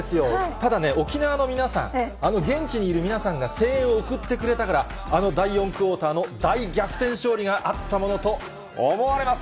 ただね、沖縄の皆さん、あの現地にいる皆さんが声援を送ってくれたから、あの第４クオーターの大逆転勝利があったものと思われます。